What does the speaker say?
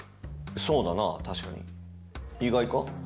そうだな確かに意外か？